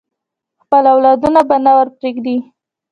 خپل اولادونه به نه ورپریږدي.